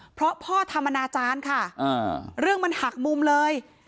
เพราะพ่อทำอนาจารย์ค่ะเรื่องมันหักมุมเลย